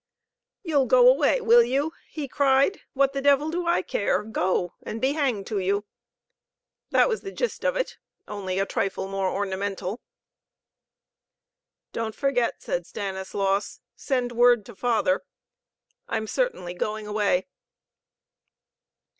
"You'll go away, will you?" he cried. "What the devil do I care? Go, and be hanged to you!" that was the gist of it, only a trifle more ornamental. "Don't forget! " said Stanislaus. " Send word to father. I'm certainly going away."